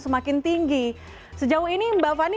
semakin tinggi sejauh ini mbak fani